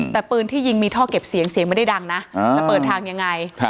แต่ปืนที่ยิงมีท่อเก็บเสียงเสียงไม่ได้ดังนะจะเปิดทางยังไง